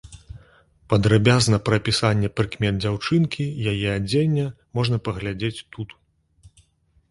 Падрабязна пра апісанне прыкмет дзяўчынкі, яе адзення можна паглядзець тут.